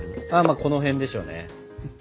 まあこの辺でしょうね。